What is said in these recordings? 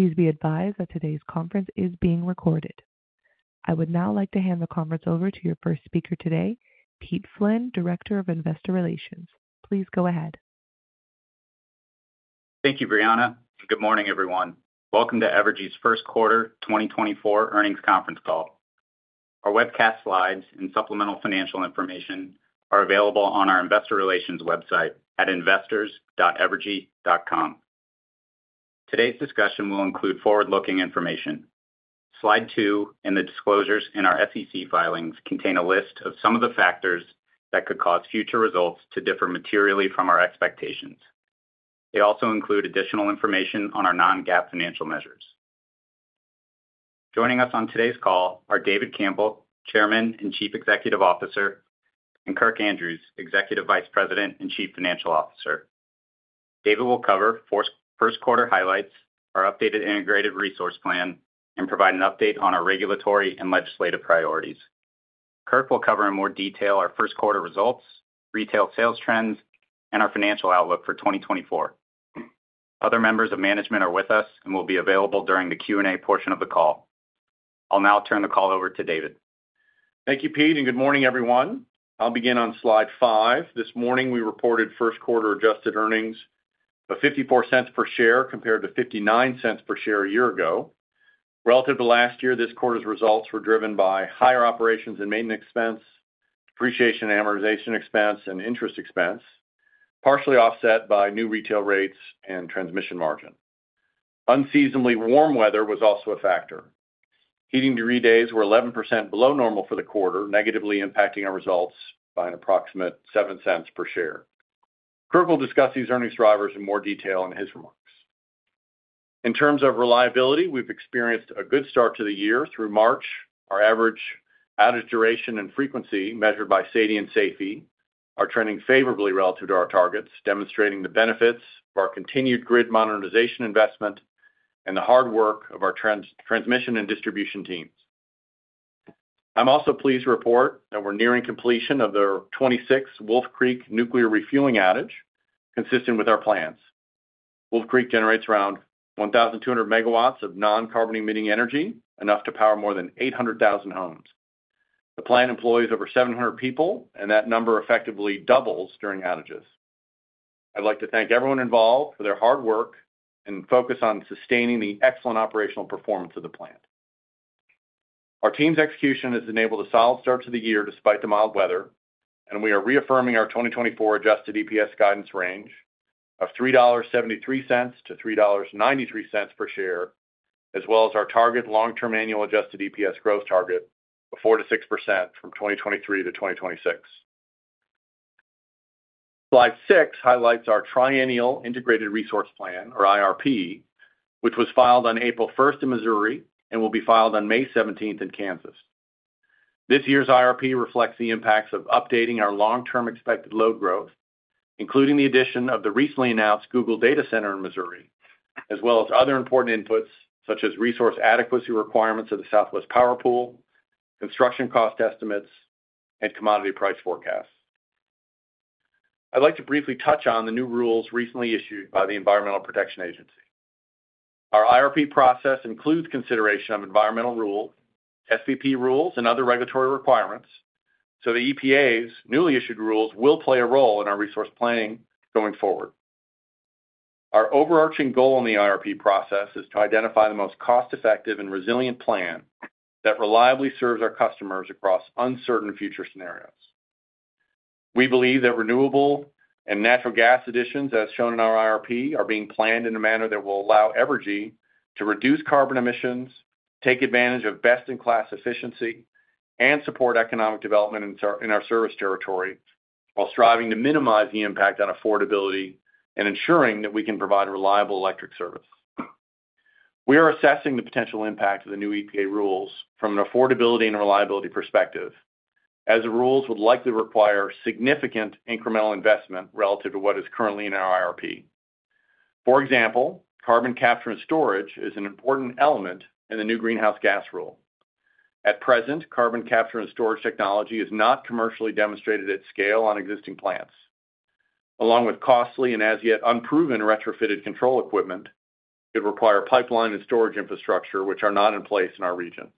Please be advised that today's conference is being recorded. I would now like to hand the conference over to your first speaker today, Pete Flynn, Director of Investor Relations. Please go ahead. Thank you, Briana, and good morning, everyone. Welcome to Evergy's first quarter 2024 earnings conference call. Our webcast slides and supplemental financial information are available on our Investor Relations website at investors.evergy.com. Today's discussion will include forward-looking information. Slide two and the disclosures in our SEC filings contain a list of some of the factors that could cause future results to differ materially from our expectations. They also include additional information on our non-GAAP financial measures. Joining us on today's call are David Campbell, Chairman and Chief Executive Officer, and Kirk Andrews, Executive Vice President and Chief Financial Officer. David will cover first quarter highlights, our updated integrated resource plan, and provide an update on our regulatory and legislative priorities. Kirk will cover in more detail our first quarter results, retail sales trends, and our financial outlook for 2024. Other members of management are with us and will be available during the Q and A portion of the call. I'll now turn the call over to David. Thank you, Pete, and good morning, everyone. I'll begin on slide five. This morning we reported first quarter adjusted earnings of $0.54 per share compared to $0.59 per share a year ago. Relative to last year, this quarter's results were driven by higher operations and maintenance expense, depreciation and amortization expense, and interest expense, partially offset by new retail rates and transmission margin. Unseasonably warm weather was also a factor. Heating degree days were 11% below normal for the quarter, negatively impacting our results by an approximate $0.07 per share. Kirk will discuss these earnings drivers in more detail in his remarks. In terms of reliability, we've experienced a good start to the year. Through March, our average duration and frequency measured by SAIDI and SAIFI are trending favorably relative to our targets, demonstrating the benefits of our continued grid modernization investment and the hard work of our transmission and distribution teams. I'm also pleased to report that we're nearing completion of the 26th Wolf Creek nuclear refueling outage, consistent with our plans. Wolf Creek generates around 1,200 MW of non-carbon emitting energy, enough to power more than 800,000 homes. The plant employs over 700 people, and that number effectively doubles during outages. I'd like to thank everyone involved for their hard work and focus on sustaining the excellent operational performance of the plant. Our team's execution has enabled a solid start to the year despite the mild weather, and we are reaffirming our 2024 adjusted EPS guidance range of $3.73-$3.93 per share, as well as our target long-term annual adjusted EPS growth target of 4%-6% from 2023 to 2026. Slide six highlights our Triennial Integrated Resource Plan, or IRP, which was filed on April 1st in Missouri and will be filed on May 17th in Kansas. This year's IRP reflects the impacts of updating our long-term expected load growth, including the addition of the recently announced Google data center in Missouri, as well as other important inputs such as resource adequacy requirements of the Southwest Power Pool, construction cost estimates, and commodity price forecasts. I'd like to briefly touch on the new rules recently issued by the Environmental Protection Agency. Our IRP process includes consideration of environmental rules, SPP rules, and other regulatory requirements, so the EPA's newly issued rules will play a role in our resource planning going forward. Our overarching goal in the IRP process is to identify the most cost-effective and resilient plan that reliably serves our customers across uncertain future scenarios. We believe that renewable and natural gas additions, as shown in our IRP, are being planned in a manner that will allow Evergy to reduce carbon emissions, take advantage of best-in-class efficiency, and support economic development in our service territory while striving to minimize the impact on affordability and ensuring that we can provide reliable electric service. We are assessing the potential impact of the new EPA rules from an affordability and reliability perspective, as the rules would likely require significant incremental investment relative to what is currently in our IRP. For example, carbon capture and storage is an important element in the new greenhouse gas rule. At present, carbon capture and storage technology is not commercially demonstrated at scale on existing plants. Along with costly and as yet unproven retrofitted control equipment, it would require pipeline and storage infrastructure which are not in place in our region.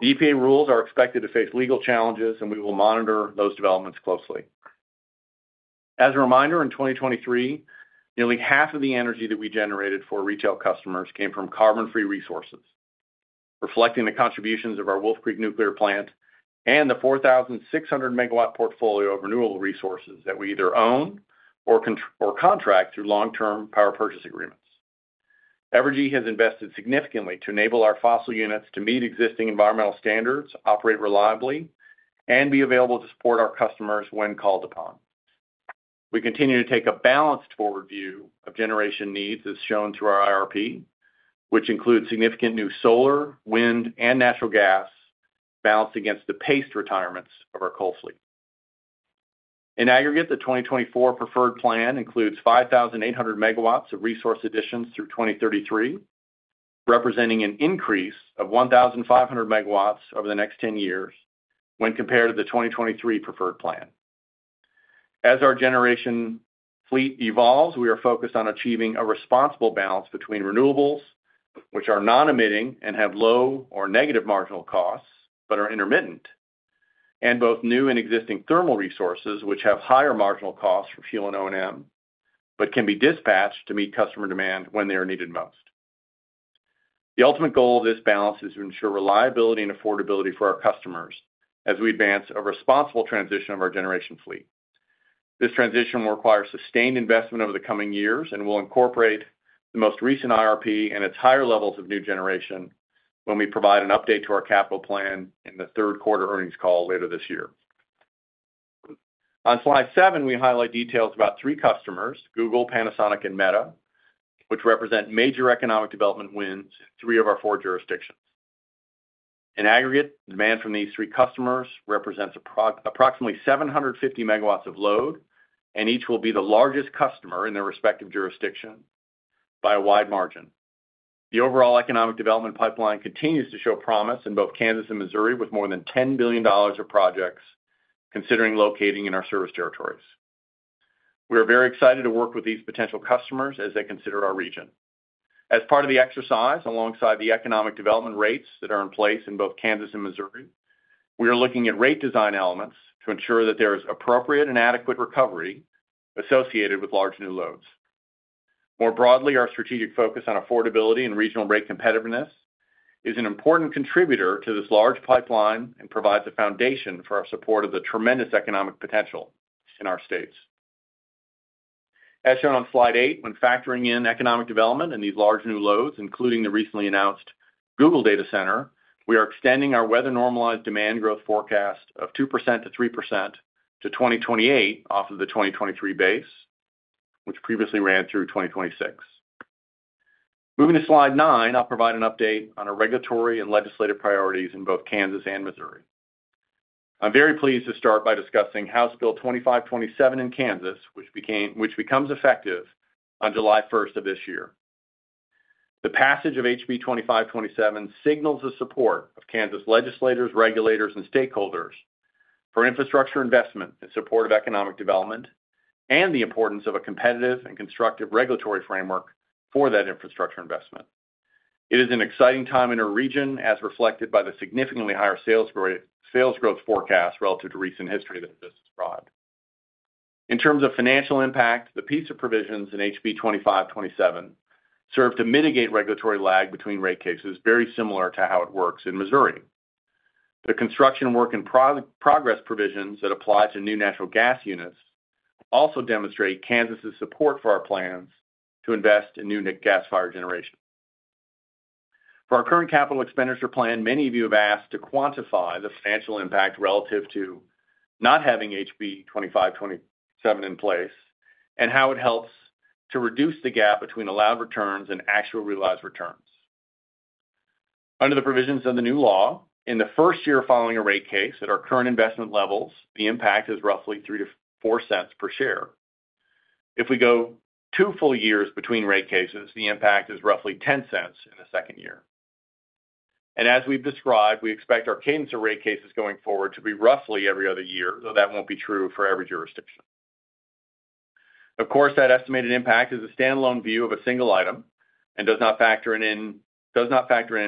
The EPA rules are expected to face legal challenges, and we will monitor those developments closely. As a reminder, in 2023, nearly half of the energy that we generated for retail customers came from carbon-free resources, reflecting the contributions of our Wolf Creek nuclear plant and the 4,600 MW portfolio of renewable resources that we either own or contract through long-term power purchase agreements. Evergy has invested significantly to enable our fossil units to meet existing environmental standards, operate reliably, and be available to support our customers when called upon. We continue to take a balanced forward view of generation needs, as shown through our IRP, which includes significant new solar, wind, and natural gas balanced against the paced retirements of our coal fleet. In aggregate, the 2024 preferred plan includes 5,800 MW of resource additions through 2033, representing an increase of 1,500 MW over the next 10 years when compared to the 2023 preferred plan. As our generation fleet evolves, we are focused on achieving a responsible balance between renewables, which are non-emitting and have low or negative marginal costs but are intermittent, and both new and existing thermal resources, which have higher marginal costs for fuel and O&M but can be dispatched to meet customer demand when they are needed most. The ultimate goal of this balance is to ensure reliability and affordability for our customers as we advance a responsible transition of our generation fleet. This transition will require sustained investment over the coming years and will incorporate the most recent IRP and its higher levels of new generation when we provide an update to our capital plan in the third quarter earnings call later this year. On slide seven, we highlight details about three customers, Google, Panasonic, and Meta, which represent major economic development wins in three of our four jurisdictions. In aggregate, the demand from these three customers represents approximately 750 MW of load, and each will be the largest customer in their respective jurisdiction by a wide margin. The overall economic development pipeline continues to show promise in both Kansas and Missouri with more than $10 billion of projects considering locating in our service territories. We are very excited to work with these potential customers as they consider our region. As part of the exercise, alongside the economic development rates that are in place in both Kansas and Missouri, we are looking at rate design elements to ensure that there is appropriate and adequate recovery associated with large new loads. More broadly, our strategic focus on affordability and regional rate competitiveness is an important contributor to this large pipeline and provides a foundation for our support of the tremendous economic potential in our states. As shown on slide eight, when factoring in economic development and these large new loads, including the recently announced Google Data Center, we are extending our weather-normalized demand growth forecast of 2%-3% to 2028 off of the 2023 base, which previously ran through 2026. Moving to slide nine, I'll provide an update on our regulatory and legislative priorities in both Kansas and Missouri. I'm very pleased to start by discussing House Bill 2527 in Kansas, which becomes effective on July 1st of this year. The passage of HB 2527 signals the support of Kansas legislators, regulators, and stakeholders for infrastructure investment in support of economic development and the importance of a competitive and constructive regulatory framework for that infrastructure investment. It is an exciting time in our region, as reflected by the significantly higher sales growth forecast relative to recent history that has brought. In terms of financial impact, the key provisions in HB 2527 serve to mitigate regulatory lag between rate cases, very similar to how it works in Missouri. The construction work in progress provisions that apply to new natural gas units also demonstrate Kansas's support for our plans to invest in new gas-fired generation. For our current capital expenditure plan, many of you have asked to quantify the financial impact relative to not having HB 2527 in place and how it helps to reduce the gap between allowed returns and actual realized returns. Under the provisions of the new law, in the first year following a rate case at our current investment levels, the impact is roughly $0.03-$0.04 per share. If we go two full years between rate cases, the impact is roughly $0.10 in the second year. As we've described, we expect our cadence of rate cases going forward to be roughly every other year, though that won't be true for every jurisdiction. Of course, that estimated impact is a standalone view of a single item and does not factor in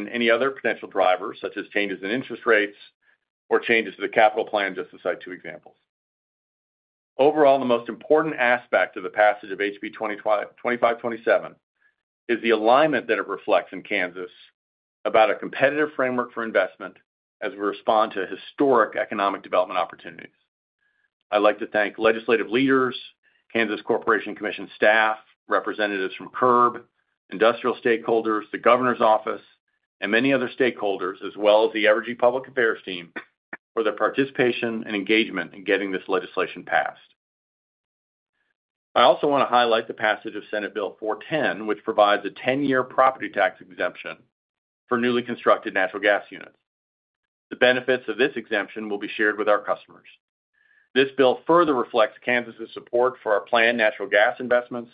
any other potential drivers such as changes in interest rates or changes to the capital plan, just to cite two examples. Overall, the most important aspect of the passage of HB 2527 is the alignment that it reflects in Kansas about a competitive framework for investment as we respond to historic economic development opportunities. I'd like to thank legislative leaders, Kansas Corporation Commission staff, representatives from CURB, industrial stakeholders, the Governor's office, and many other stakeholders, as well as the Evergy public affairs team, for their participation and engagement in getting this legislation passed. I also want to highlight the passage of Senate Bill 410, which provides a 10-year property tax exemption for newly constructed natural gas units. The benefits of this exemption will be shared with our customers. This bill further reflects Kansas's support for our planned natural gas investments,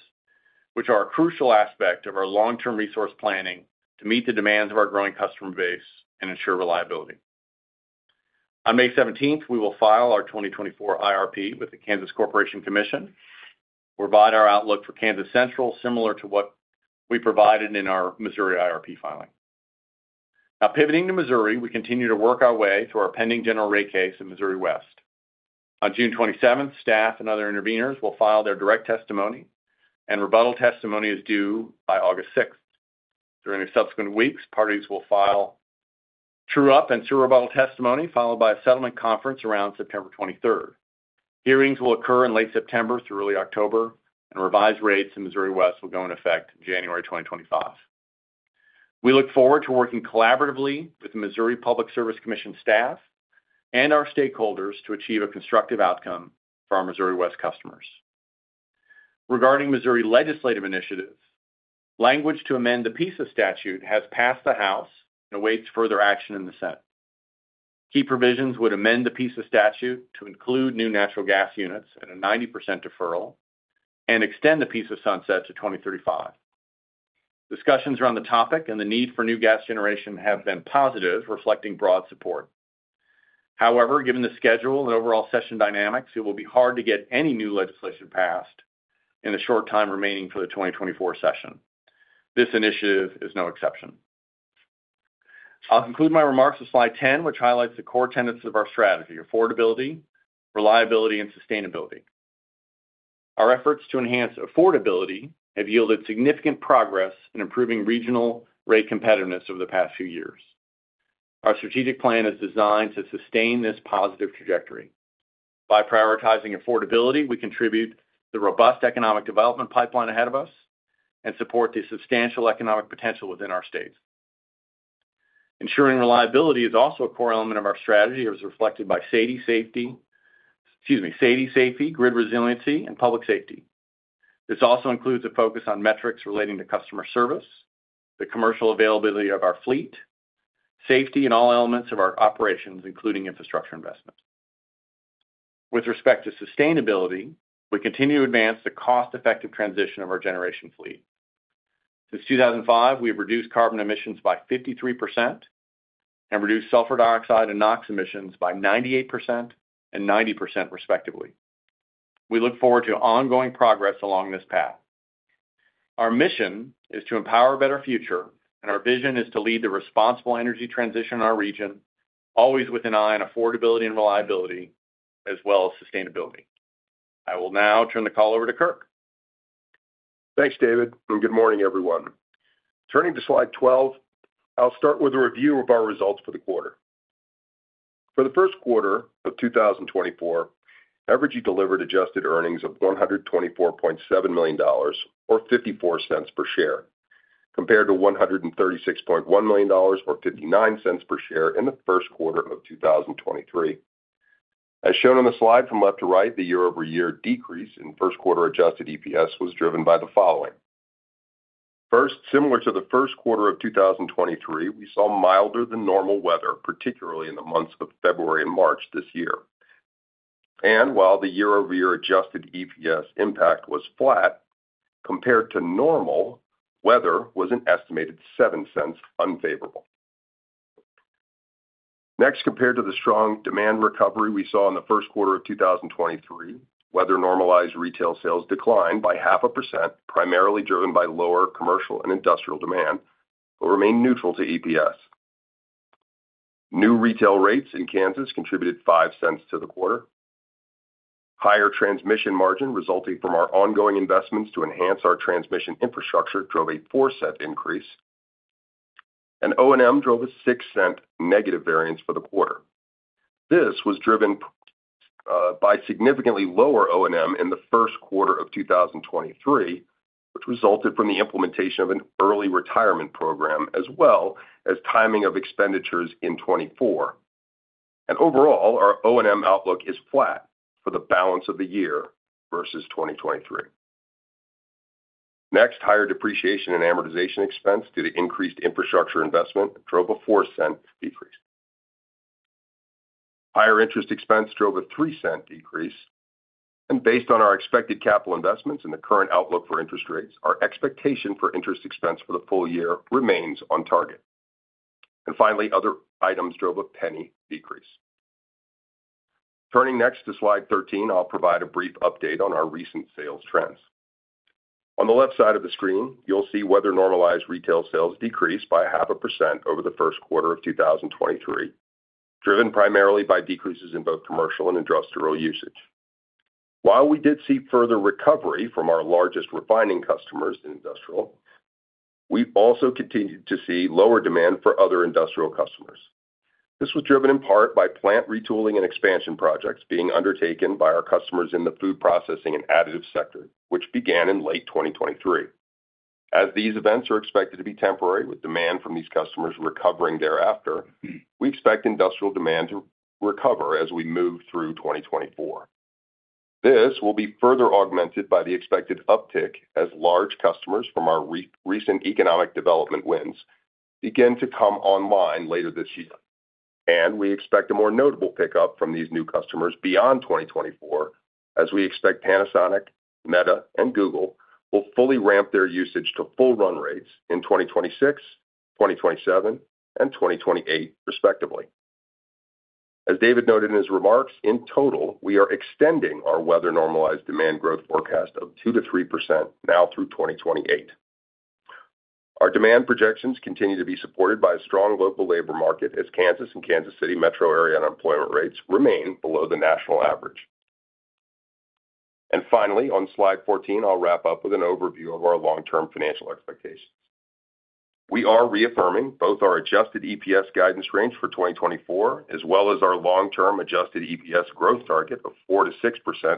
which are a crucial aspect of our long-term resource planning to meet the demands of our growing customer base and ensure reliability. On May 17th, we will file our 2024 IRP with the Kansas Corporation Commission, provide our outlook for Kansas Central similar to what we provided in our Missouri IRP filing. Now, pivoting to Missouri, we continue to work our way through our pending general rate case in Missouri West. On June 27th, staff and other intervenors will file their direct testimony, and rebuttal testimony is due by August 6th. During the subsequent weeks, parties will file true-up and true-rebuttal testimony, followed by a settlement conference around September 23rd. Hearings will occur in late September through early October, and revised rates in Missouri West will go into effect in January 2025. We look forward to working collaboratively with the Missouri Public Service Commission staff and our stakeholders to achieve a constructive outcome for our Missouri West customers. Regarding Missouri legislative initiatives, language to amend the PISA statute has passed the House and awaits further action in the Senate. Key provisions would amend the PISA statute to include new natural gas units and a 90% deferral, and extend the PISA sunset to 2035. Discussions around the topic and the need for new gas generation have been positive, reflecting broad support. However, given the schedule and overall session dynamics, it will be hard to get any new legislation passed in the short time remaining for the 2024 session. This initiative is no exception. I'll conclude my remarks with slide 10, which highlights the core tendencies of our strategy: affordability, reliability, and sustainability. Our efforts to enhance affordability have yielded significant progress in improving regional rate competitiveness over the past few years. Our strategic plan is designed to sustain this positive trajectory. By prioritizing affordability, we contribute to the robust economic development pipeline ahead of us and support the substantial economic potential within our states. Ensuring reliability is also a core element of our strategy, as reflected by SAIDI SAIFI, grid resiliency, and public safety. This also includes a focus on metrics relating to customer service, the commercial availability of our fleet, safety in all elements of our operations, including infrastructure investments. With respect to sustainability, we continue to advance the cost-effective transition of our generation fleet. Since 2005, we have reduced carbon emissions by 53% and reduced sulfur dioxide and NOx emissions by 98% and 90%, respectively. We look forward to ongoing progress along this path. Our mission is to empower a better future, and our vision is to lead the responsible energy transition in our region, always with an eye on affordability and reliability, as well as sustainability. I will now turn the call over to Kirk. Thanks, David, and good morning, everyone. Turning to slide 12, I'll start with a review of our results for the quarter. For the first quarter of 2024, Evergy delivered adjusted earnings of $124.7 million or $0.54 per share, compared to $136.1 million or $0.59 per share in the first quarter of 2023. As shown on the slide from left to right, the year-over-year decrease in first-quarter adjusted EPS was driven by the following. First, similar to the first quarter of 2023, we saw milder-than-normal weather, particularly in the months of February and March this year. And while the year-over-year adjusted EPS impact was flat, compared to normal, weather was an estimated $0.07 unfavorable. Next, compared to the strong demand recovery we saw in the first quarter of 2023, weather-normalized retail sales declined by 0.5%, primarily driven by lower commercial and industrial demand, but remained neutral to EPS. New retail rates in Kansas contributed $0.05 to the quarter. Higher transmission margin resulting from our ongoing investments to enhance our transmission infrastructure drove a $0.04 increase, and O&M drove a $0.06 negative variance for the quarter. This was driven by significantly lower O&M in the first quarter of 2023, which resulted from the implementation of an early retirement program as well as timing of expenditures in 2024. And overall, our O&M outlook is flat for the balance of the year versus 2023. Next, higher depreciation and amortization expense due to increased infrastructure investment drove a $0.04 decrease. Higher interest expense drove a $0.03 decrease. Based on our expected capital investments and the current outlook for interest rates, our expectation for interest expense for the full year remains on target. Finally, other items drove a $0.01 decrease. Turning next to slide 13, I'll provide a brief update on our recent sales trends. On the left side of the screen, you'll see weather-normalized retail sales decrease by 0.5% over the first quarter of 2023, driven primarily by decreases in both commercial and industrial usage. While we did see further recovery from our largest refining customers in industrial, we also continued to see lower demand for other industrial customers. This was driven in part by plant retooling and expansion projects being undertaken by our customers in the food processing and additive sector, which began in late 2023. As these events are expected to be temporary, with demand from these customers recovering thereafter, we expect industrial demand to recover as we move through 2024. This will be further augmented by the expected uptick as large customers from our recent economic development wins begin to come online later this year. We expect a more notable pickup from these new customers beyond 2024, as we expect Panasonic, Meta, and Google will fully ramp their usage to full run rates in 2026, 2027, and 2028, respectively. As David noted in his remarks, in total, we are extending our weather-normalized demand growth forecast of 2%-3% now through 2028. Our demand projections continue to be supported by a strong local labor market, as Kansas and Kansas City Metro area unemployment rates remain below the national average. Finally, on slide 14, I'll wrap up with an overview of our long-term financial expectations. We are reaffirming both our adjusted EPS guidance range for 2024 as well as our long-term adjusted EPS growth target of 4%-6%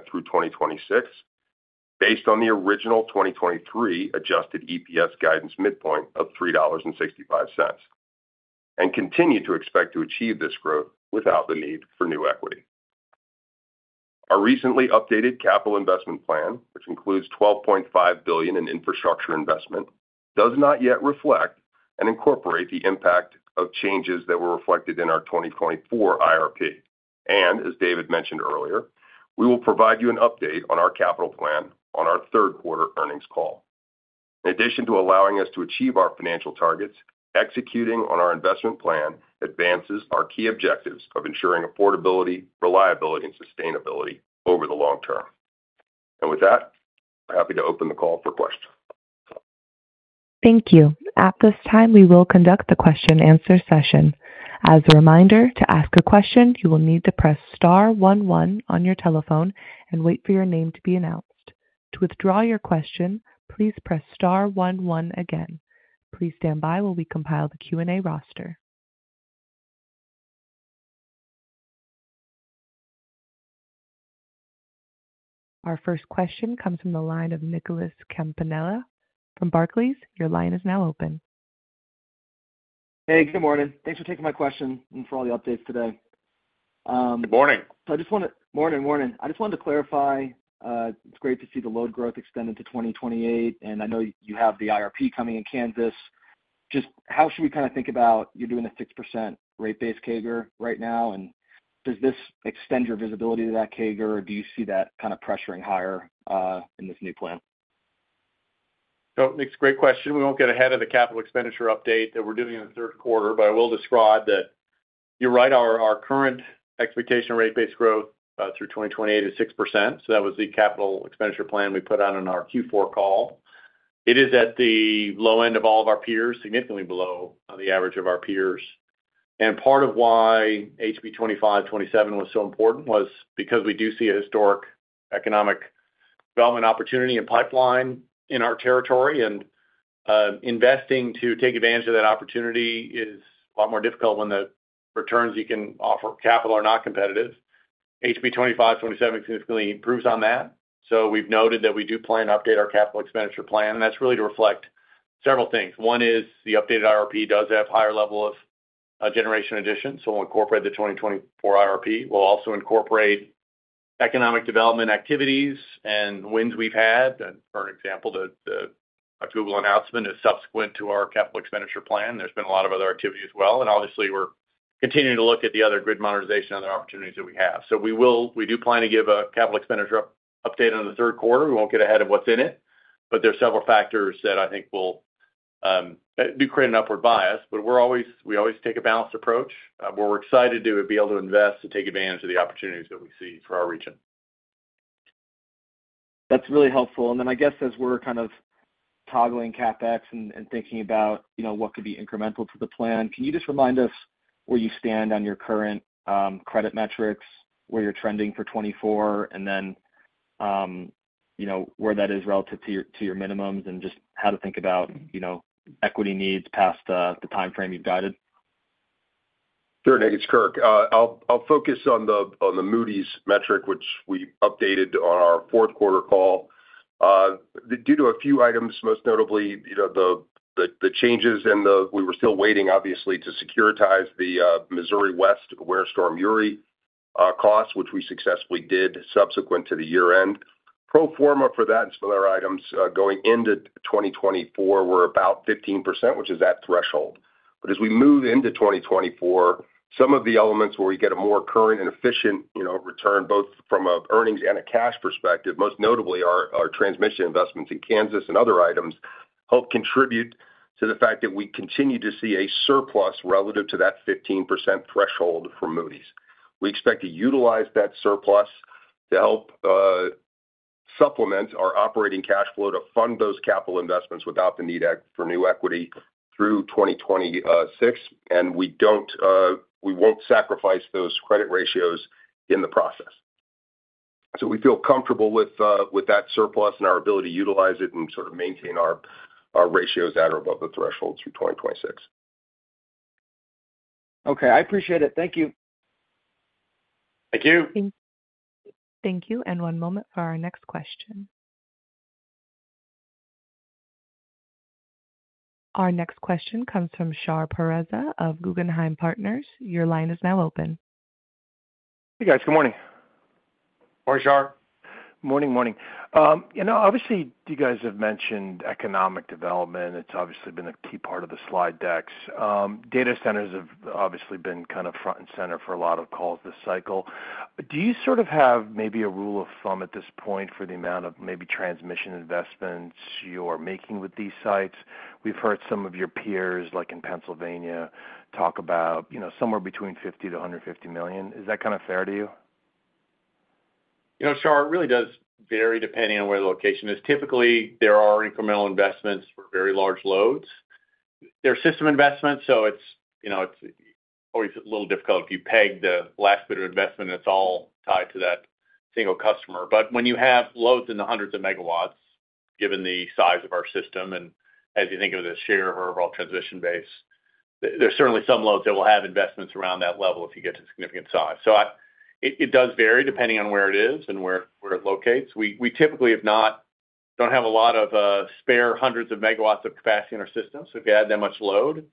through 2026, based on the original 2023 adjusted EPS guidance midpoint of $3.65, and continue to expect to achieve this growth without the need for new equity. Our recently updated capital investment plan, which includes $12.5 billion in infrastructure investment, does not yet reflect and incorporate the impact of changes that were reflected in our 2024 IRP. As David mentioned earlier, we will provide you an update on our capital plan on our third quarter earnings call. In addition to allowing us to achieve our financial targets, executing on our investment plan advances our key objectives of ensuring affordability, reliability, and sustainability over the long term. With that, we're happy to open the call for questions. Thank you. At this time, we will conduct the question-answer session. As a reminder, to ask a question, you will need to press star one, one on your telephone and wait for your name to be announced. To withdraw your question, please press star one, one again. Please stand by while we compile the Q and A roster. Our first question comes from the line of Nicholas Campanella. From Barclays, your line is now open. Hey, good morning. Thanks for taking my question and for all the updates today. Good morning. So I just want to, morning, morning, I just wanted to clarify. It's great to see the load growth extended to 2028, and I know you have the IRP coming in Kansas. Just how should we kind of think about you're doing a 6% rate base CAGR right now, and does this extend your visibility to that CAGR, or do you see that kind of pressuring higher in this new plan? So it makes a great question. We won't get ahead of the capital expenditure update that we're doing in the third quarter, but I will describe that you're right. Our current expectation rate-based growth through 2028 is 6%, so that was the capital expenditure plan we put out on our Q4 call. It is at the low end of all of our peers, significantly below the average of our peers. Part of why HB 2527 was so important was because we do see a historic economic development opportunity and pipeline in our territory, and investing to take advantage of that opportunity is a lot more difficult when the returns you can offer capital are not competitive. HB 2527 significantly improves on that. We've noted that we do plan to update our capital expenditure plan, and that's really to reflect several things. One is the updated IRP does have a higher level of generation addition, so we'll incorporate the 2024 IRP. We'll also incorporate economic development activities and wins we've had. For an example, our Google announcement is subsequent to our capital expenditure plan. There's been a lot of other activity as well, and obviously, we're continuing to look at the other grid modernization and other opportunities that we have. So we do plan to give a capital expenditure update on the third quarter. We won't get ahead of what's in it, but there are several factors that I think will create an upward bias. But we always take a balanced approach. What we're excited to do is be able to invest to take advantage of the opportunities that we see for our region. That's really helpful. And then I guess as we're kind of toggling CapEx and thinking about what could be incremental to the plan, can you just remind us where you stand on your current credit metrics, where you're trending for 2024, and then where that is relative to your minimums, and just how to think about equity needs past the timeframe you've guided? Sure Nick, it's Kirk. I'll focus on the Moody's metric, which we updated on our fourth-quarter call. Due to a few items, most notably the changes, and we were still waiting, obviously, to securitize the Missouri West windstorm Uri cost, which we successfully did subsequent to the year-end. Pro forma for that and some of the other items going into 2024 were about 15%, which is at threshold. But as we move into 2024, some of the elements where we get a more current and efficient return, both from an earnings and a cash perspective, most notably our transmission investments in Kansas and other items, help contribute to the fact that we continue to see a surplus relative to that 15% threshold from Moody's. We expect to utilize that surplus to help supplement our operating cash flow to fund those capital investments without the need for new equity through 2026, and we won't sacrifice those credit ratios in the process. We feel comfortable with that surplus and our ability to utilize it and sort of maintain our ratios at or above the threshold through 2026. Okay. I appreciate it. Thank you. Thank you. Thank you. One moment for our next question. Our next question comes from Shar Pourreza of Guggenheim Partners. Your line is now open. Hey, guys. Good morning. Morning, Shar. Morning, morning. Obviously, you guys have mentioned economic development. It's obviously been a key part of the slide decks. Data centers have obviously been kind of front and center for a lot of calls this cycle. Do you sort of have maybe a rule of thumb at this point for the amount of maybe transmission investments you are making with these sites? We've heard some of your peers, like in Pennsylvania, talk about somewhere between $50 million-$150 million. Is that kind of fair to you? Shar, it really does vary depending on where the location is. Typically, there are incremental investments for very large loads. They're system investments, so it's always a little difficult if you peg the last bit of investment, and it's all tied to that single customer. But when you have loads in the hundreds of megawatts, given the size of our system and as you think of the share of our overall transmission base, there's certainly some loads that will have investments around that level if you get to significant size. So it does vary depending on where it is and where it locates. We typically, if not, don't have a lot of spare hundreds of megawatts of capacity in our systems. So if you add that much load,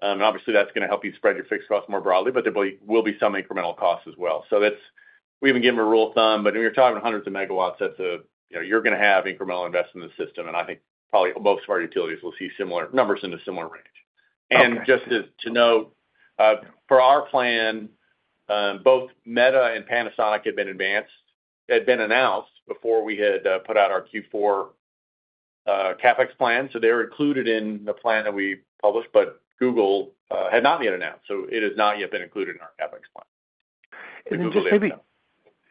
and obviously, that's going to help you spread your fixed costs more broadly, but there will be some incremental costs as well. We even give them a rule of thumb, but when you're talking about hundreds of megawatts, you're going to have incremental investment in the system, and I think probably most of our utilities will see similar numbers in the similar range. Just to note, for our plan, both Meta and Panasonic had been announced before we had put out our Q4 CapEx plan. They were included in the plan that we published, but Google had not yet announced, so it has not yet been included in our CapEx plan. And then just maybe—and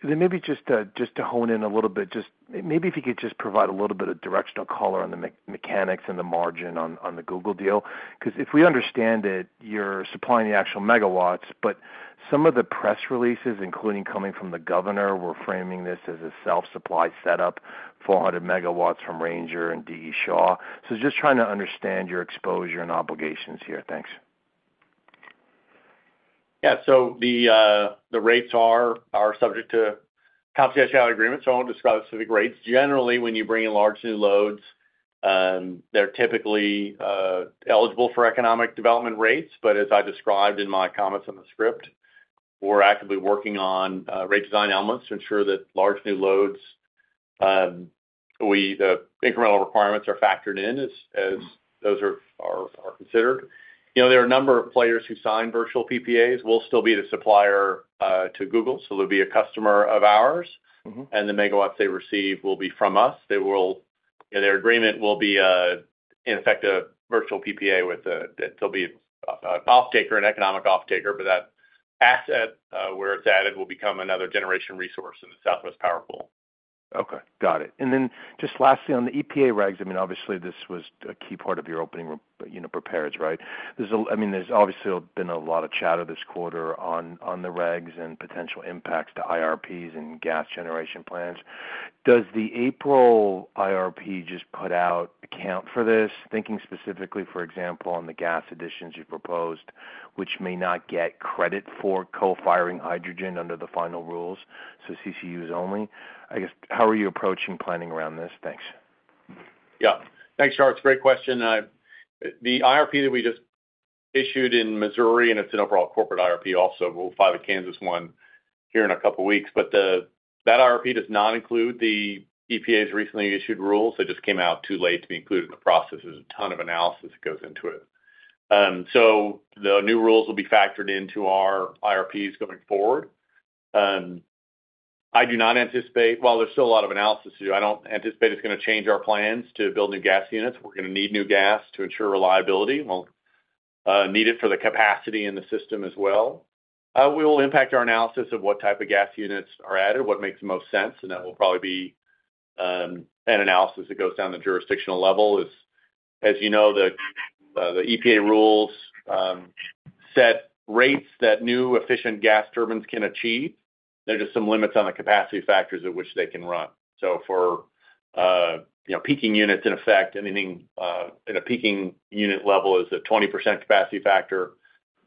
then maybe just to hone in a little bit—just maybe if you could just provide a little bit of directional color on the mechanics and the margin on the Google deal. Because if we understand it, you're supplying the actual megawatts, but some of the press releases, including coming from the governor, were framing this as a self-supply setup, 400 MW from Ranger and D.E. Shaw. So just trying to understand your exposure and obligations here. Thanks. Yeah. So the rates are subject to confidentiality agreements, so I won't describe the specific rates. Generally, when you bring in large new loads, they're typically eligible for economic development rates. But as I described in my comments on the script, we're actively working on rate design elements to ensure that large new loads, the incremental requirements are factored in as those are considered. There are a number of players who sign virtual PPAs. We'll still be the supplier to Google, so they'll be a customer of ours, and the megawatts they receive will be from us. Their agreement will be, in effect, a virtual PPA that they'll be an economic offtaker, but that asset, where it's added, will become another generation resource in the Southwest Power Pool. Okay. Got it. And then just lastly, on the EPA regs, I mean, obviously, this was a key part of your opening prepareds, right? I mean, there's obviously been a lot of chatter this quarter on the regs and potential impacts to IRPs and gas generation plans. Does the April IRP just put out account for this, thinking specifically, for example, on the gas additions you proposed, which may not get credit for co-firing hydrogen under the final rules, so CCUs only? I guess, how are you approaching planning around this? Thanks. Yeah. Thanks, Shar. It's a great question. The IRP that we just issued in Missouri, and it's an overall corporate IRP also, we'll file a Kansas one here in a couple of weeks. But that IRP does not include the EPA's recently issued rules. They just came out too late to be included in the process. There's a ton of analysis that goes into it. So the new rules will be factored into our IRPs going forward. I do not anticipate, while there's still a lot of analysis to do, I don't anticipate it's going to change our plans to build new gas units. We're going to need new gas to ensure reliability. We'll need it for the capacity in the system as well. We will impact our analysis of what type of gas units are added, what makes the most sense, and that will probably be an analysis that goes down the jurisdictional level. As you know, the EPA rules set rates that new efficient gas turbines can achieve. There are just some limits on the capacity factors at which they can run. So for peaking units, in effect, anything at a peaking unit level is a 20% capacity factor,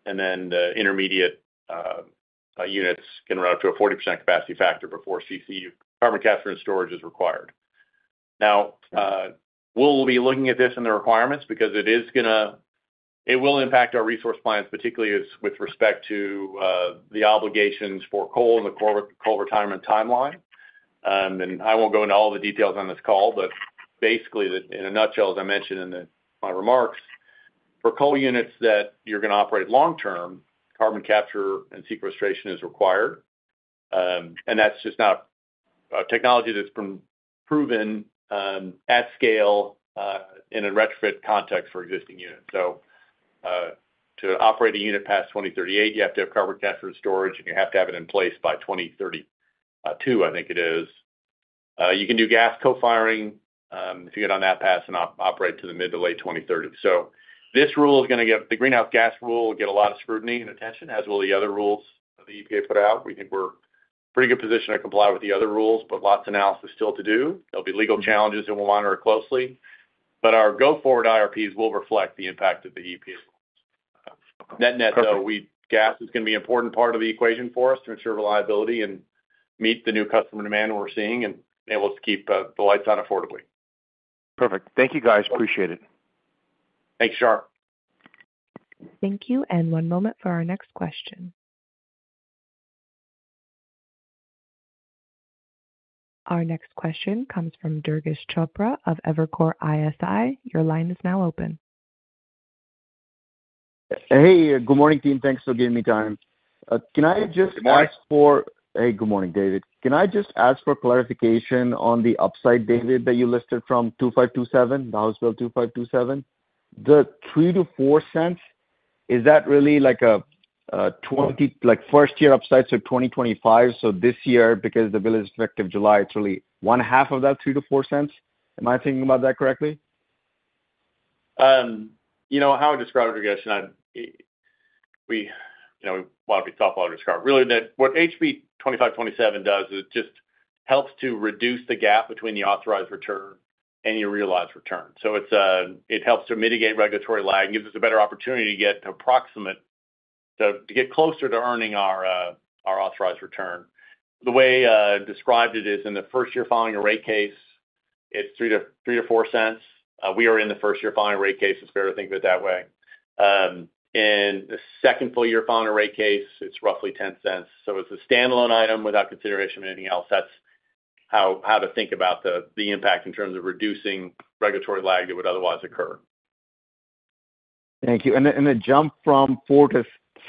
and then the intermediate units can run up to a 40% capacity factor before CCS carbon capture and storage is required. Now, we'll be looking at this in the requirements because it will impact our resource plans, particularly with respect to the obligations for coal and the coal retirement timeline. I won't go into all the details on this call, but basically, in a nutshell, as I mentioned in my remarks, for coal units that you're going to operate long-term, carbon capture and sequestration is required. And that's just not a technology that's been proven at scale in a retrofit context for existing units. So to operate a unit past 2038, you have to have carbon capture and storage, and you have to have it in place by 2032, I think it is. You can do gas co-firing if you get on that path and operate to the mid to late 2030. So this rule is going to get the greenhouse gas rule get a lot of scrutiny and attention, as will the other rules that the EPA put out. We think we're in a pretty good position to comply with the other rules, but lots of analysis still to do. There'll be legal challenges, and we'll monitor it closely. But our go-forward IRPs will reflect the impact of the EPA rules. Net-net, though, gas is going to be an important part of the equation for us to ensure reliability and meet the new customer demand we're seeing and be able to keep the lights on affordably. Perfect. Thank you, guys. Appreciate it. Thanks, Shar. Thank you. One moment for our next question. Our next question comes from Durgesh Chopra of Evercore ISI. Your line is now open. Hey. Good morning, team. Thanks for giving me time. Can I just ask for— hey, good morning, David. Can I just ask for clarification on the upside, David, that you listed from 2527, the House Bill 2527? The $0.03-$0.04, is that really like a first-year upside, so 2025, so this year, because the bill is effective July, it's really one-half of that $0.03-$0.04? Am I thinking about that correctly? How I describe it, Durgesh, and we want to be thoughtful to describe it. Really, what HB 2527 does is it just helps to reduce the gap between the authorized return and your realized return. So it helps to mitigate regulatory lag and gives us a better opportunity to get closer to earning our authorized return. The way I described it is, in the first year following a rate case, it's $0.03-$0.04. We are in the first year following a rate case. It's fair to think of it that way. In the second full year following a rate case, it's roughly $0.10. So it's a standalone item without consideration of anything else. That's how to think about the impact in terms of reducing regulatory lag that would otherwise occur. Thank you.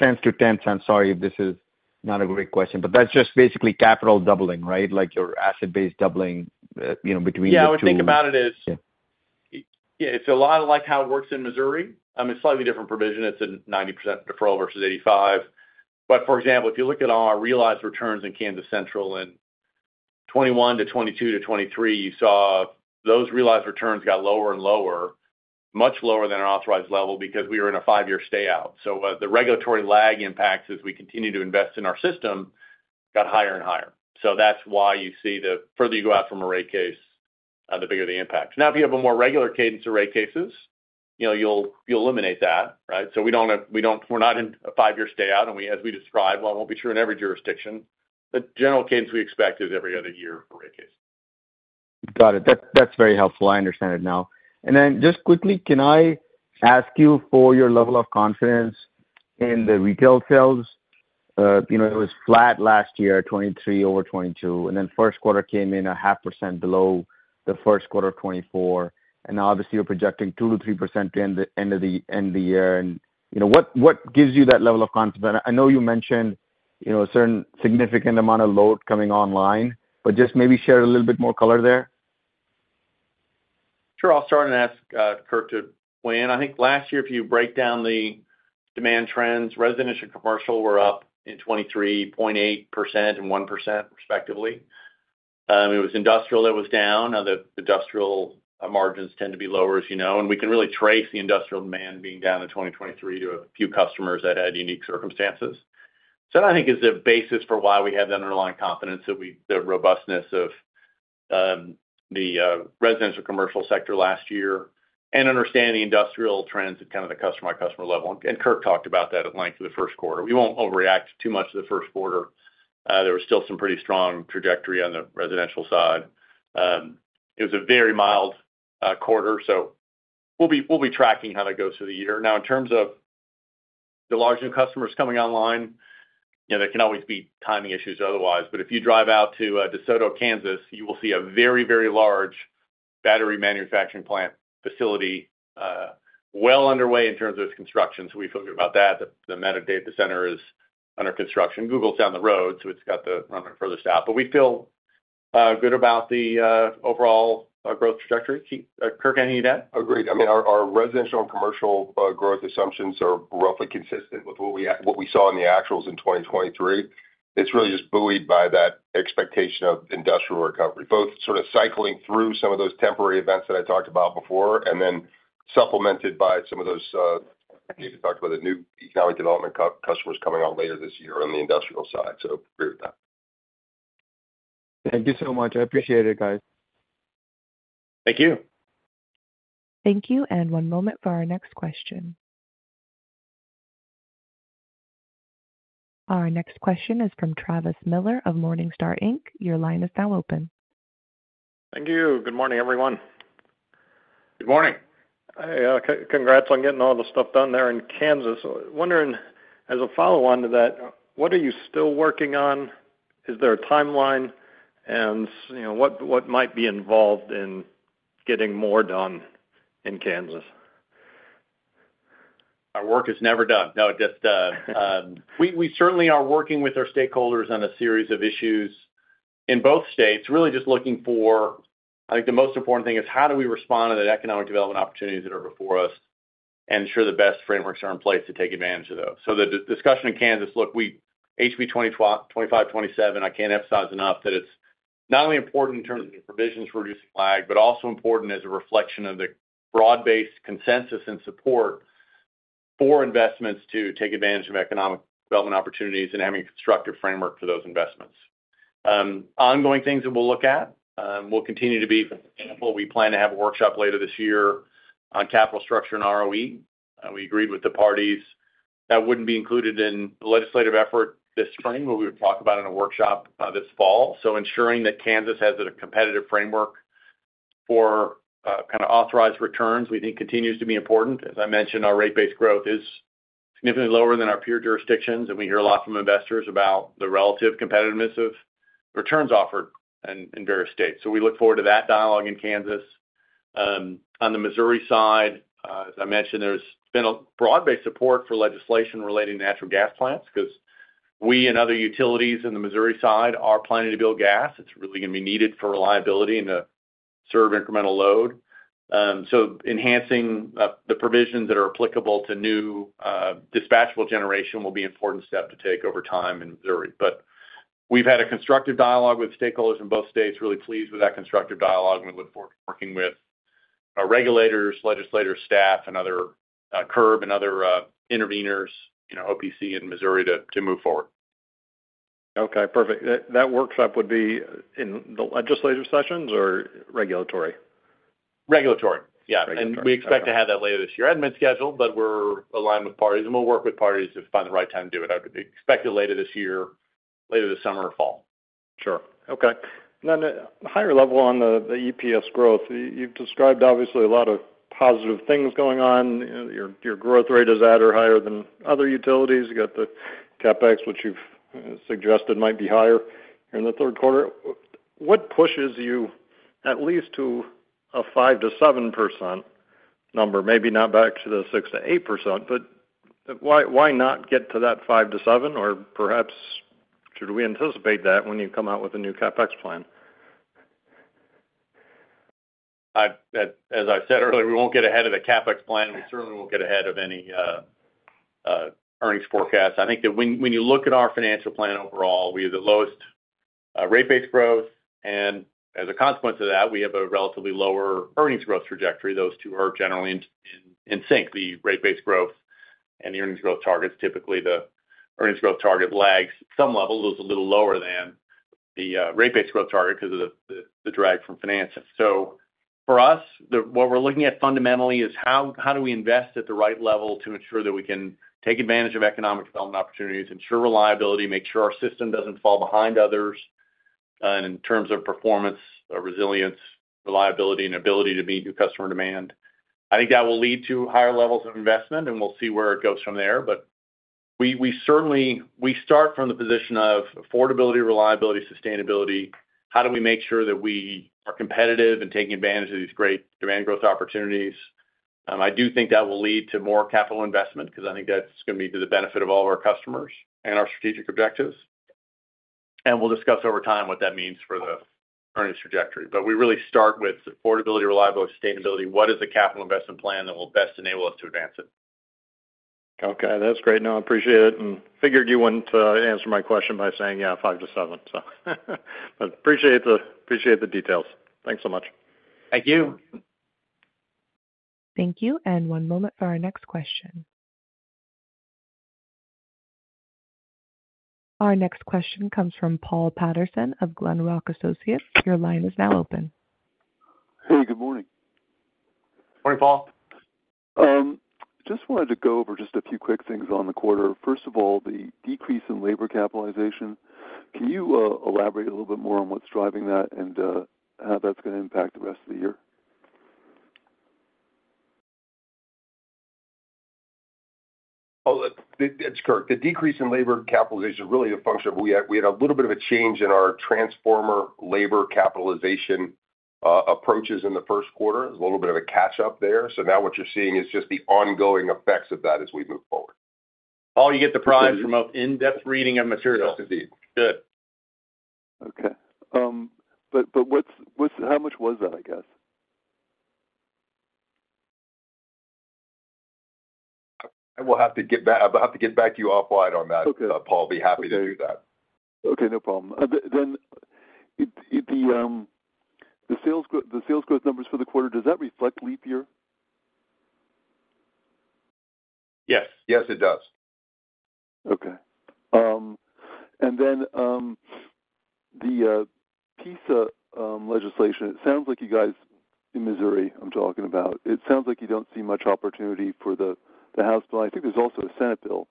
And the jump from $0.04-$0.10. Sorry if this is not a great question. But that's just basically capital doubling, right? Your asset base doubling between the two. Yeah. What I think about it is, yeah, it's a lot like how it works in Missouri. It's a slightly different provision. It's a 90% deferral versus 85%. But for example, if you look at all our realized returns in Kansas Central in 2021 to 2022 to 2023, you saw those realized returns got lower and lower, much lower than our authorized level because we were in a five-year stayout. So the regulatory lag impacts as we continue to invest in our system got higher and higher. So that's why you see the further you go out from a rate case, the bigger the impact. Now, if you have a more regular cadence of rate cases, you'll eliminate that, right? We're not in a five year stayout, and as we described, while it won't be true in every jurisdiction, the general cadence we expect is every other year for rate cases. Got it. That's very helpful. I understand it now. And then just quickly, can I ask you for your level of confidence in the retail sales? It was flat last year, 2023 over 2022, and then first quarter came in 0.5% below the first quarter of 2024. And obviously, you're projecting 2%-3% to end of the year. And what gives you that level of confidence? And I know you mentioned a certain significant amount of load coming online, but just maybe share a little bit more color there. Sure. I'll start and ask Kirk to weigh in. I think last year, if you break down the demand trends, residential and commercial were up 23.8% and 1%, respectively. It was industrial that was down. Now, the industrial margins tend to be lower, as you know, and we can really trace the industrial demand being down in 2023 to a few customers that had unique circumstances. So that, I think, is the basis for why we have that underlying confidence, the robustness of the residential commercial sector last year, and understanding the industrial trends at kind of the customer-by-customer level. And Kirk talked about that at length in the first quarter. We won't overreact too much to the first quarter. There was still some pretty strong trajectory on the residential side. It was a very mild quarter, so we'll be tracking how that goes through the year. Now, in terms of the large new customers coming online, there can always be timing issues otherwise. But if you drive out to De Soto, Kansas, you will see a very, very large battery manufacturing plant facility well underway in terms of its construction. So we feel good about that. The Meta data center is under construction. Google's down the road, so it's got the running further stuff. But we feel good about the overall growth trajectory. Kirk, anything to add? Oh, great. I mean, our residential and commercial growth assumptions are roughly consistent with what we saw in the actuals in 2023. It's really just buoyed by that expectation of industrial recovery, both sort of cycling through some of those temporary events that I talked about before and then supplemented by some of those—I think we even talked about the new economic development customers coming on later this year on the industrial side. So agree with that. Thank you so much. I appreciate it, guys. Thank you. Thank you. One moment for our next question. Our next question is from Travis Miller of Morningstar, Inc. Your line is now open. Thank you. Good morning, everyone. Good morning. Hey. Congrats on getting all the stuff done there in Kansas. Wondering, as a follow-on to that, what are you still working on? Is there a timeline, and what might be involved in getting more done in Kansas? Our work is never done. No. We certainly are working with our stakeholders on a series of issues in both states, really just looking for - I think the most important thing is how do we respond to the economic development opportunities that are before us and ensure the best frameworks are in place to take advantage of those. So the discussion in Kansas, look, HB 2527, I can't emphasize enough that it's not only important in terms of the provisions for reducing lag but also important as a reflection of the broad-based consensus and support for investments to take advantage of economic development opportunities and having a constructive framework for those investments. Ongoing things that we'll look at, we'll continue to be. We plan to have a workshop later this year on capital structure and ROE. We agreed with the parties. That wouldn't be included in the legislative effort this spring, but we would talk about it in a workshop this fall. So ensuring that Kansas has a competitive framework for kind of authorized returns, we think, continues to be important. As I mentioned, our rate-based growth is significantly lower than our peer jurisdictions, and we hear a lot from investors about the relative competitiveness of returns offered in various states. So we look forward to that dialogue in Kansas. On the Missouri side, as I mentioned, there's been a broad-based support for legislation relating to natural gas plants because we and other utilities in the Missouri side are planning to build gas. It's really going to be needed for reliability and to serve incremental load. So enhancing the provisions that are applicable to new dispatchable generation will be an important step to take over time in Missouri. We've had a constructive dialogue with stakeholders in both states, really pleased with that constructive dialogue, and we look forward to working with regulators, legislators, staff, and Kirk and other intervenors, OPC in Missouri, to move forward. Okay. Perfect. That workshop would be in the legislative sessions or regulatory? Regulatory. Yeah. And we expect to have that later this year. Admin scheduled, but we're aligned with parties, and we'll work with parties to find the right time to do it. I would expect it later this year, later this summer or fall. Sure. Okay. And then a higher level on the EPS growth. You've described, obviously, a lot of positive things going on. Your growth rate is at or higher than other utilities. You got the CapEx, which you've suggested might be higher here in the third quarter. What pushes you, at least to a 5%-7% number, maybe not back to the 6%-8%, but why not get to that 5%-7%, or perhaps should we anticipate that when you come out with a new CapEx plan? As I said earlier, we won't get ahead of the CapEx plan. We certainly won't get ahead of any earnings forecasts. I think that when you look at our financial plan overall, we have the lowest rate base growth, and as a consequence of that, we have a relatively lower earnings growth trajectory. Those two are generally in sync, the rate base growth and the earnings growth targets. Typically, the earnings growth target lags some level. It was a little lower than the rate base growth target because of the drag from financing. So for us, what we're looking at fundamentally is how do we invest at the right level to ensure that we can take advantage of economic development opportunities, ensure reliability, make sure our system doesn't fall behind others, and in terms of performance, resilience, reliability, and ability to meet new customer demand. I think that will lead to higher levels of investment, and we'll see where it goes from there. But we start from the position of affordability, reliability, sustainability. How do we make sure that we are competitive and taking advantage of these great demand growth opportunities? I do think that will lead to more capital investment because I think that's going to be to the benefit of all of our customers and our strategic objectives. And we'll discuss over time what that means for the earnings trajectory. But we really start with affordability, reliability, sustainability. What is a capital investment plan that will best enable us to advance it? Okay. That's great. No, I appreciate it. And figured you wouldn't answer my question by saying, "Yeah, five to seven," so. But appreciate the details. Thanks so much. Thank you. Thank you. And one moment for our next question. Our next question comes from Paul Patterson of Glenrock Associates. Your line is now open. Hey. Good morning. Morning, Paul. Just wanted to go over just a few quick things on the quarter. First of all, the decrease in labor capitalization. Can you elaborate a little bit more on what's driving that and how that's going to impact the rest of the year? Oh, it's Kirk. The decrease in labor capitalization is really a function of we had a little bit of a change in our transformer labor capitalization approaches in the first quarter. It was a little bit of a catch-up there. So now what you're seeing is just the ongoing effects of that as we move forward. Paul, you get the prize for most in-depth reading of materials. Yes, indeed. Good. Okay. But how much was that, I guess? I'll have to get back to you offline on that, Paul. I'll be happy to do that. Okay. No problem. Then the sales growth numbers for the quarter, does that reflect leap year? Yes. Yes, it does. Okay. And then the PISA legislation, it sounds like you guys in Missouri, I'm talking about. It sounds like you don't see much opportunity for the House bill. I think there's also a Senate bill.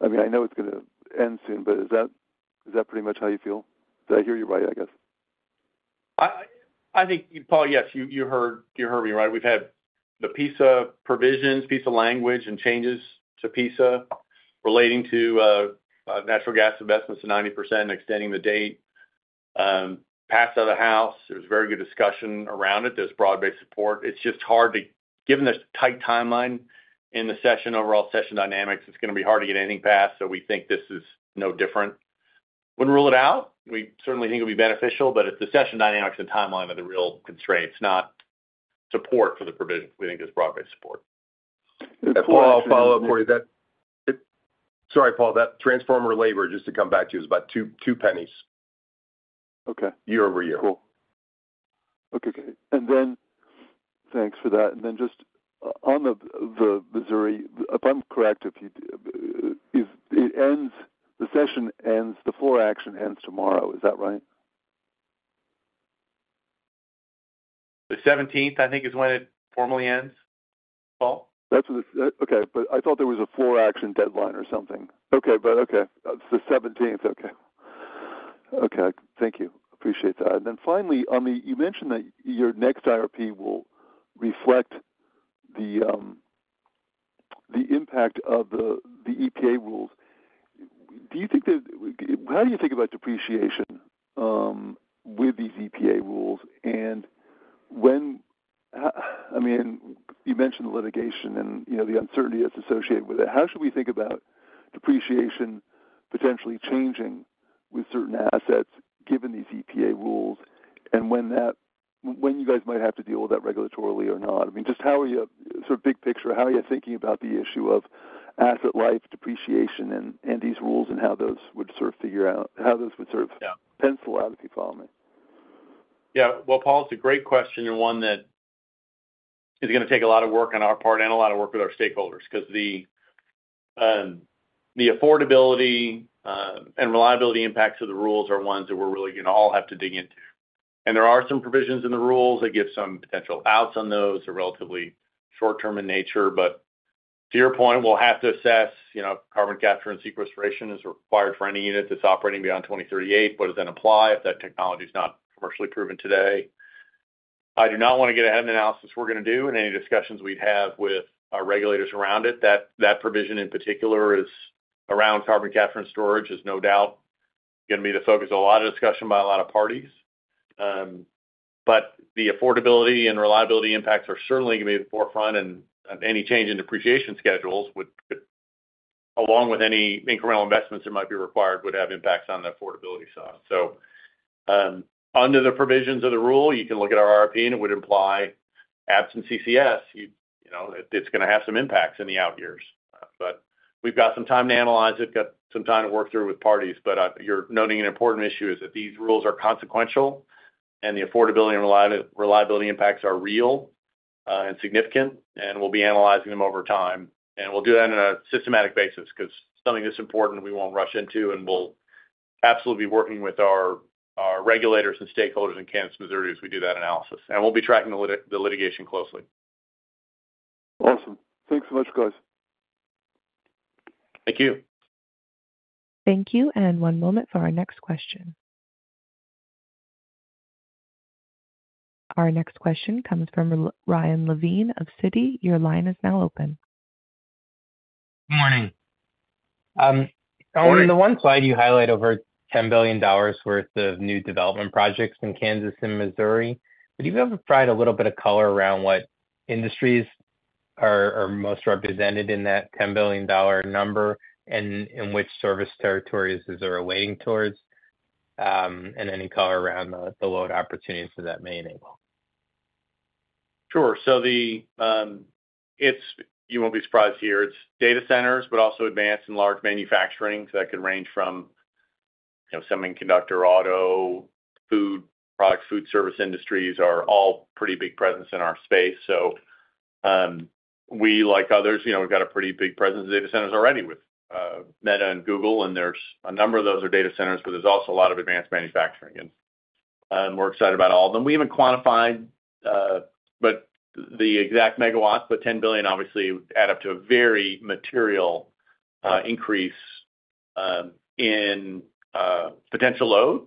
I mean, I know it's going to end soon, but is that pretty much how you feel? Did I hear you right, I guess? I think, Paul, yes. You heard me right. We've had the PISA provisions, PISA language, and changes to PISA relating to natural gas investments to 90% and extending the date passed out of the House. There's very good discussion around it. There's broad-based support. It's just hard, too, given the tight timeline in the session, overall session dynamics; it's going to be hard to get anything passed. So we think this is no different. Wouldn't rule it out. We certainly think it'll be beneficial, but it's the session dynamics and timeline that are the real constraints, not support for the provisions. We think there's broad-based support. Paul, I'll follow up for you. Sorry, Paul. That transformer labor, just to come back to you, is about $0.02 year-over-year. Okay. Okay. Okay. Thanks for that. Just on the Missouri, if I'm correct, the session ends, the floor action ends tomorrow. Is that right? The 17th, I think, is when it formally ends, Paul? That's what it's okay. But I thought there was a floor action deadline or something. Okay. But okay. It's the 17th. Okay. Okay. Thank you. Appreciate that. And then finally, you mentioned that your next IRP will reflect the impact of the EPA rules. Do you think that how do you think about depreciation with these EPA rules? And I mean, you mentioned the litigation and the uncertainty that's associated with it. How should we think about depreciation potentially changing with certain assets given these EPA rules and when you guys might have to deal with that regulatorily or not? I mean, just how are you sort of big picture, how are you thinking about the issue of asset life depreciation and these rules and how those would sort of figure out how those would sort of pencil out, if you follow me? Yeah. Well, Paul, it's a great question and one that is going to take a lot of work on our part and a lot of work with our stakeholders because the affordability and reliability impacts of the rules are ones that we're really going to all have to dig into. And there are some provisions in the rules that give some potential outs on those. They're relatively short-term in nature. But to your point, we'll have to assess if carbon capture and sequestration is required for any unit that's operating beyond 2038. What does that imply if that technology's not commercially proven today? I do not want to get ahead of the analysis we're going to do and any discussions we'd have with our regulators around it. That provision in particular around carbon capture and storage is no doubt going to be the focus of a lot of discussion by a lot of parties. But the affordability and reliability impacts are certainly going to be at the forefront, and any change in depreciation schedules, along with any incremental investments that might be required, would have impacts on the affordability side. So under the provisions of the rule, you can look at our IRP, and it would imply absent CCS. It's going to have some impacts in the out years. But we've got some time to analyze it, got some time to work through with parties. But you're noting an important issue is that these rules are consequential, and the affordability and reliability impacts are real and significant, and we'll be analyzing them over time. We'll do that on a systematic basis because it's something that's important, we won't rush into, and we'll absolutely be working with our regulators and stakeholders in Kansas, Missouri, as we do that analysis. We'll be tracking the litigation closely. Awesome. Thanks so much, guys. Thank you. Thank you. One moment for our next question. Our next question comes from Ryan Levine of Citi. Your line is now open. Good morning. On the one side, you highlight over $10 billion worth of new development projects in Kansas and Missouri. But do you ever provide a little bit of color around what industries are most represented in that $10 billion number and in which service territories these are weighted towards, and any color around the load opportunities that that may enable? Sure. So you won't be surprised here. It's data centers, but also advanced and large manufacturing. So that could range from semiconductor, auto, food products, food service industries are all pretty big presence in our space. So we, like others, we've got a pretty big presence of data centers already with Meta and Google, and a number of those are data centers, but there's also a lot of advanced manufacturing. And we're excited about all of them. We haven't quantified the exact megawatts, but $10 billion, obviously, add up to a very material increase in potential load.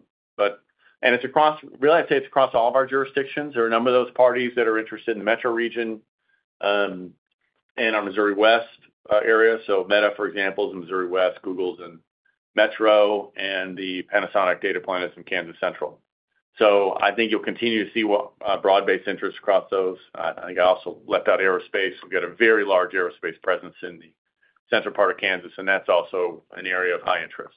And I'd say it's across all of our jurisdictions. There are a number of those parties that are interested in the metro region and our Missouri West area. So Meta, for example, is in Missouri West, Google's in Metro, and the Panasonic data plant is in Kansas Central. I think you'll continue to see broad-based interest across those. I think I also left out aerospace. We've got a very large aerospace presence in the central part of Kansas, and that's also an area of high interest.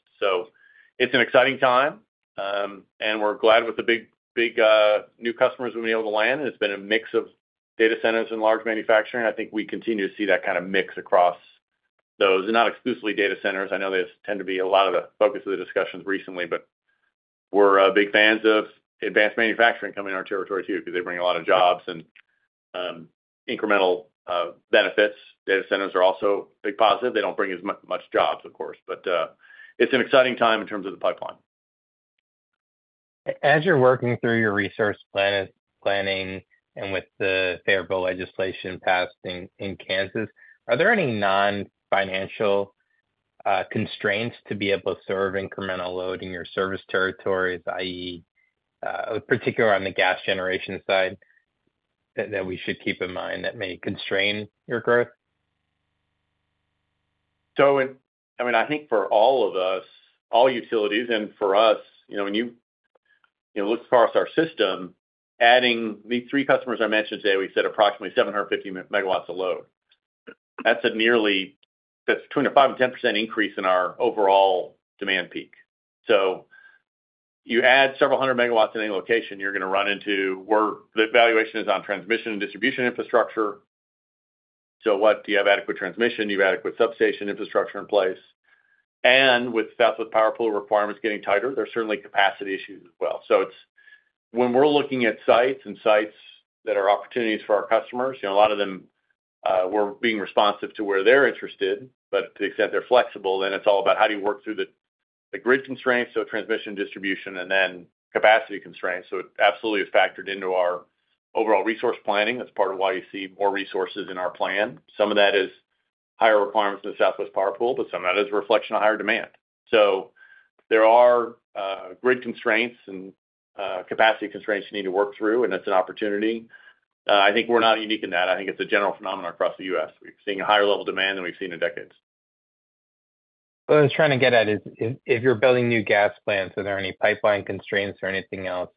It's an exciting time, and we're glad with the big new customers we've been able to land. It's been a mix of data centers and large manufacturing. I think we continue to see that kind of mix across those and not exclusively data centers. I know there tend to be a lot of the focus of the discussions recently, but we're big fans of advanced manufacturing coming to our territory too because they bring a lot of jobs and incremental benefits. Data centers are also a big positive. They don't bring as much jobs, of course. It's an exciting time in terms of the pipeline. As you're working through your resource planning and with the fair bill legislation passed in Kansas, are there any non-financial constraints to be able to serve incremental load in your service territories, i.e., particularly on the gas generation side that we should keep in mind that may constrain your growth? So I mean, I think for all of us, all utilities, and for us, when you look across our system, adding these three customers I mentioned today, we said approximately 750 MW of load. That's between a 5%-10% increase in our overall demand peak. So you add several hundred MW in any location, you're going to run into the valuation is on transmission and distribution infrastructure. So do you have adequate transmission? Do you have adequate substation infrastructure in place? And with Southwest Power Pool requirements getting tighter, there's certainly capacity issues as well. So when we're looking at sites and sites that are opportunities for our customers, a lot of them we're being responsive to where they're interested, but to the extent they're flexible, then it's all about how do you work through the grid constraints. So transmission, distribution, and then capacity constraints. So it absolutely is factored into our overall resource planning. That's part of why you see more resources in our plan. Some of that is higher requirements in the Southwest Power Pool, but some of that is a reflection of higher demand. So there are grid constraints and capacity constraints you need to work through, and it's an opportunity. I think we're not unique in that. I think it's a general phenomenon across the US. We've seen a higher level demand than we've seen in decades. What I was trying to get at is if you're building new gas plants, are there any pipeline constraints or anything else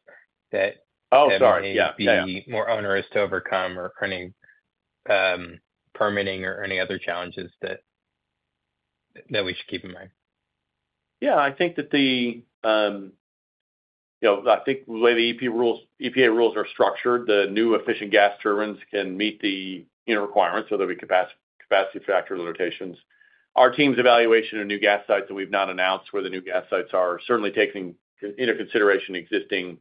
that may be more onerous to overcome or permitting or any other challenges that we should keep in mind? Yeah. I think that the way the EPA rules are structured, the new efficient gas turbines can meet the requirements so there'll be capacity factor limitations. Our team's evaluation of new gas sites that we've not announced where the new gas sites are certainly taking into consideration existing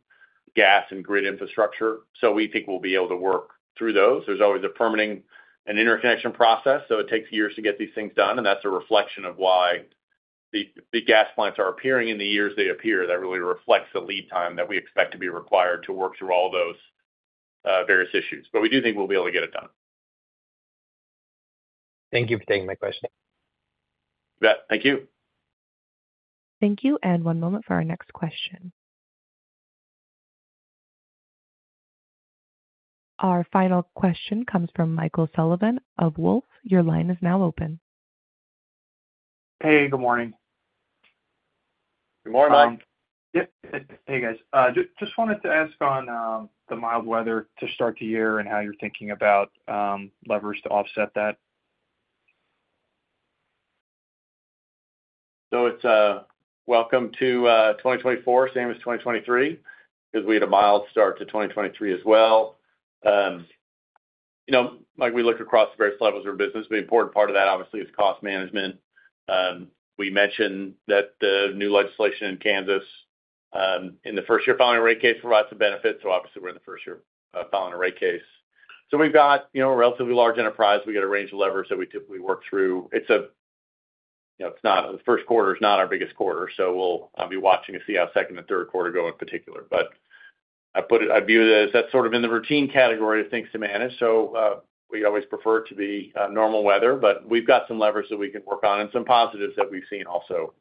gas and grid infrastructure. So we think we'll be able to work through those. There's always a permitting and interconnection process. So it takes years to get these things done, and that's a reflection of why the gas plants are appearing in the years they appear. That really reflects the lead time that we expect to be required to work through all those various issues. But we do think we'll be able to get it done. Thank you for taking my question. Thank you. Thank you. One moment for our next question. Our final question comes from Michael Sullivan of Wolfe. Your line is now open. Hey. Good morning. Good morning, Mike. Hey, guys. Just wanted to ask on the mild weather to start the year and how you're thinking about levers to offset that? So it's welcome to 2024. Same as 2023 because we had a mild start to 2023 as well. We look across the various levels of our business. The important part of that, obviously, is cost management. We mentioned that the new legislation in Kansas in the first-year filing of a rate case provides some benefits. So obviously, we're in the first year filing a rate case. So we've got a relatively large enterprise. We got a range of levers that we typically work through. It's not. The first quarter is not our biggest quarter. So we'll be watching to see how second and third quarter go in particular. But I view it as that's sort of in the routine category of things to manage. We always prefer it to be normal weather, but we've got some levers that we can work on and some positives that we've seen also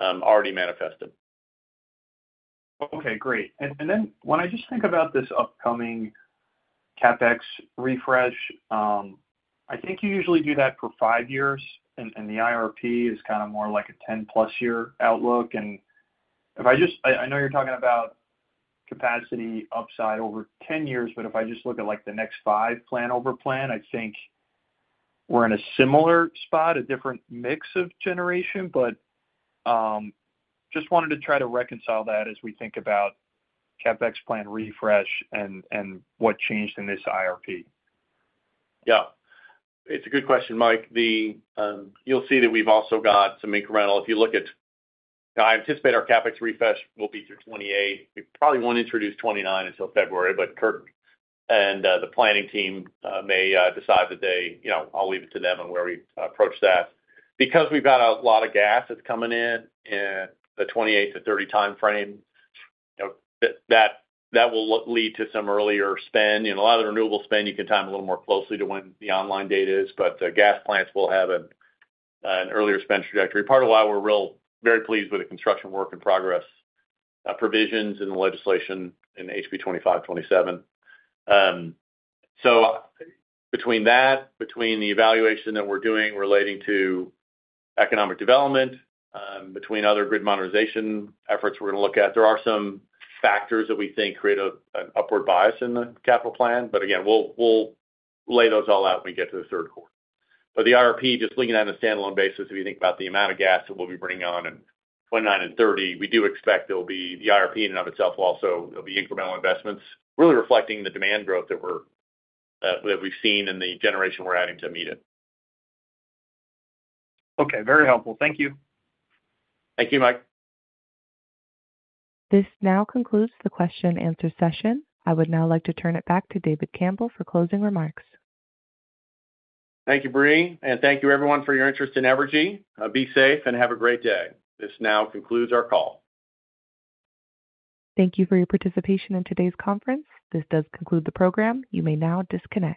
already manifested. Okay. Great. And then when I just think about this upcoming CapEx refresh, I think you usually do that for five years, and the IRP is kind of more like a 10+ year outlook. And I know you're talking about capacity upside over 10 years, but if I just look at the next five plan over plan, I think we're in a similar spot, a different mix of generation. But just wanted to try to reconcile that as we think about CapEx plan refresh and what changed in this IRP. Yeah. It's a good question, Mike. You'll see that we've also got some incremental if you look at I anticipate our CapEx refresh will be through 2028. We probably won't introduce 2029 until February, but Kirk and the planning team may decide that they I'll leave it to them on where we approach that. Because we've got a lot of gas that's coming in the 2028-2030 timeframe, that will lead to some earlier spend. A lot of the renewable spend, you can time a little more closely to when the online date is, but the gas plants will have an earlier spend trajectory. Part of why we're very pleased with the construction work in progress provisions in the legislation in HB 2527. So between that, between the evaluation that we're doing relating to economic development, between other grid modernization efforts we're going to look at, there are some factors that we think create an upward bias in the capital plan. But again, we'll lay those all out when we get to the third quarter. But the IRP, just looking at it on a standalone basis, if you think about the amount of gas that we'll be bringing on in 2029 and 2030, we do expect there'll be the IRP in and of itself will also there'll be incremental investments really reflecting the demand growth that we've seen and the generation we're adding to meet it. Okay. Very helpful. Thank you. Thank you, Mike. This now concludes the question-answer session. I would now like to turn it back to David Campbell for closing remarks. Thank you, Bree. Thank you, everyone, for your interest in Evergy. Be safe and have a great day. This now concludes our call. Thank you for your participation in today's conference. This does conclude the program. You may now disconnect.